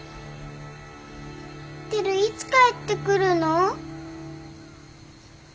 テルいつ帰ってくるの？